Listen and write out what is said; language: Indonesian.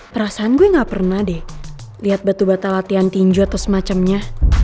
perasaan gue gak pernah deh lihat batu bata latihan tinju atau semacamnya